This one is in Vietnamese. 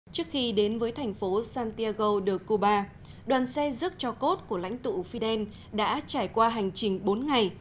trước khi đến với thành phố santiago de cuba đoàn xe rước cho cốt của lãnh tụ fidel đã trải qua hành trình bốn ngày